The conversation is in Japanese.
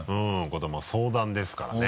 相談ですからね。